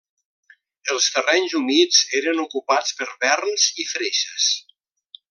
Els terrenys humits eren ocupats per verns i freixes.